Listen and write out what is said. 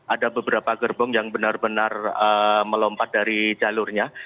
ada beberapa gerbong yang benar benar melompat dari jalurnya